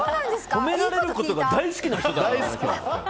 褒められることが大好きな人だから。